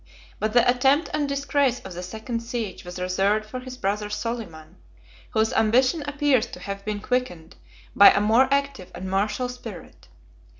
But the attempt and disgrace of the second siege was reserved for his brother Soliman, whose ambition appears to have been quickened by a more active and martial spirit.